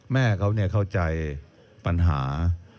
แม่เขาเนี่ยเข้าใจปัญหา